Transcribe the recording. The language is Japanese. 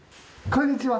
こんにちは。